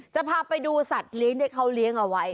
จะพาไปดูสัตว์เค้าเลี้ยงเอาไว้